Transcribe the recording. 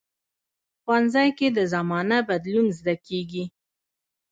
ښوونځی کې د زمانه بدلون زده کېږي